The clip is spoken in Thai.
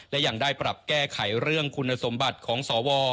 และยังได้ปรับแก้ไขเรื่องคุณสมบัติของสว